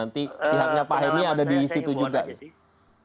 tidak saya himbawan saja sih